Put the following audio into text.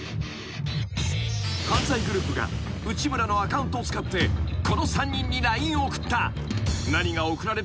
［犯罪グループが内村のアカウントを使ってこの３人にＬＩＮＥを送った］